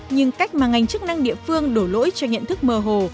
nhưng cách mà ngành chức năng địa phương đổ lỗi cho nhận thức mơ hồ